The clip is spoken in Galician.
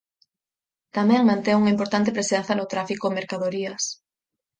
Tamén mantén unha importante presenza no tráfico mercadorías.